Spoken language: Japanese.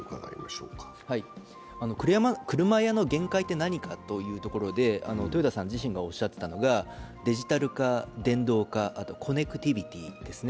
車屋の限界って何かというところで、豊田さん自身がおっしゃっていたのがデジタル化、電動化、あとコネクティビティーですね。